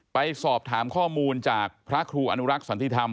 ไปสอบถามข้อมูลจากพระครูอนุรักษ์สันติธรรม